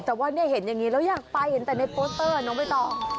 แต่ว่าเนี่ยเห็นอย่างนี้แล้วอยากไปเห็นแต่ในโปสเตอร์น้องใบตอง